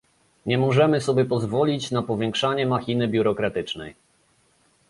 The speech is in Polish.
Nie możemy sobie pozwolić na powiększanie machiny biurokratycznej